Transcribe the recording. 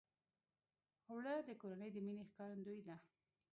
اوړه د کورنۍ د مینې ښکارندویي ده